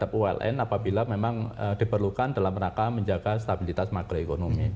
berpengalaman dengan bank uln apabila memang diperlukan dalam menjaga stabilitas makroekonomi